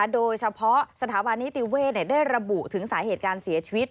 โดยเฉพาะสถาบันนิติเวศได้ระบุถึงสาเหตุการเสียชีวิต